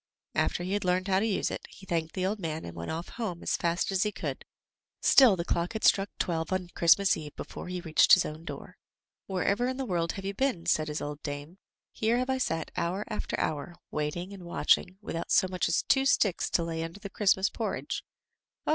After he had learned how to use it, he thanked the old man and went off home as fast as he could; still the clock had struck twelve on Christmas eve before he reached his own door. "Wherever in the world have you been?" said his old dame. "Here have I sat hour after hour, waiting and watching, with out so much as two sticks to lay under the Christmas porridge." "Oh!"